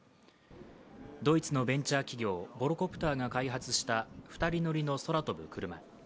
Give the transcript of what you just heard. ドイツのベンチャー企業、ボロコプターが開発した２人乗りの空飛ぶクルマ。